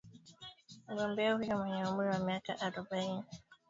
Mgombea huyo mwenye umri wa miaka arobaini